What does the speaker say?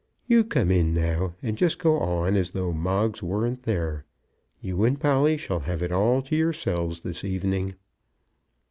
You come in now, and just go on as though Moggs weren't there. You and Polly shall have it all to yourselves this evening."